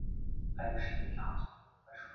这个名字是按当地的一个酒吧主人命名的。